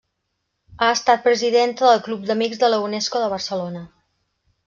Ha estat presidenta del Club d'Amics de la Unesco de Barcelona.